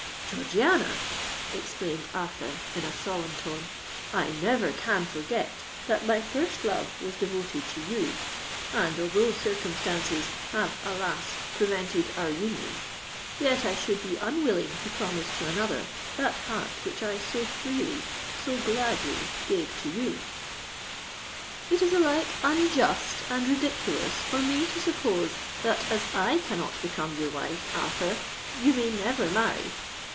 "Georgiana," exclaimed Arthur, in a solemn tone, "I never can forget that my first love was devoted to you; and—although circumstances have, alas! prevented our union—yet I should be unwilling to promise to another that heart which I so freely—so gladly gave to you!" "It is alike unjust and ridiculous for me to suppose that, as I cannot become your wife, Arthur, you may never marry.